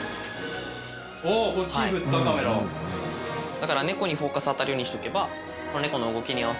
だから猫にフォーカス当たるようにしとけば。